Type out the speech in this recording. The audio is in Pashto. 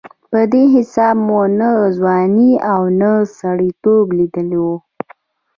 په دې حساب مو نه ځواني او نه سړېتوب لېدلې وه.